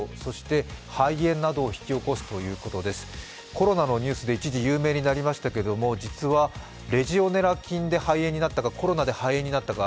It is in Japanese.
コロナのニュースで一時有名になりましたけれども、実はレジオネラ菌で肺炎になったか、コロナで肺炎になったか